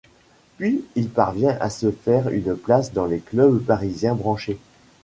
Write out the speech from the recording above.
Puis il parvient à se faire une place dans les clubs parisiens branchés.